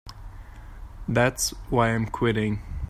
That's why I'm quitting.